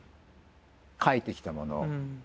描いてきたもの。